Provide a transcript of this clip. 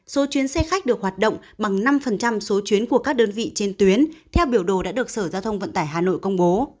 số chuyến xe khách được hoạt động bằng năm số chuyến của các đơn vị trên tuyến theo biểu đồ đã được sở giao thông vận tải hà nội công bố